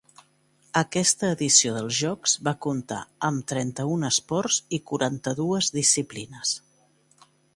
Aquesta edició dels jocs va comptar amb trenta-un esports i quaranta-dues disciplines.